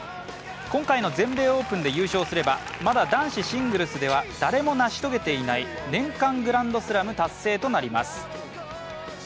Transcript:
今回の全米オープンで優勝すれば、まだ男子シングルスでは誰も成し遂げていない年間グランドスラム達成となります。